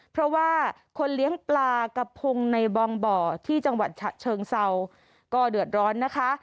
เพราะว่าคนเลี้ยงปลากระพงในบองบ่อที่จังหวัดฉะเชิงเศร้าก็เดือดร้อนนะคะ